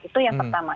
itu yang pertama